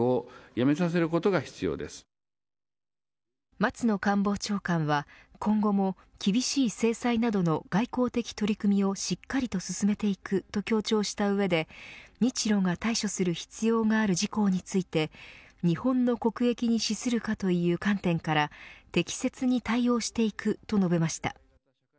松野官房長官は今後も、厳しい制裁などの外交的取り組みをしっかりと進めていくと強調した上で日ロが対処する必要がある事項について日本の国益に資するかという観点から適切に対応していくと述べました。